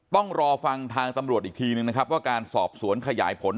ต้องรอฟังทางตำรวจอีกทีนึงนะครับว่าการสอบสวนขยายผล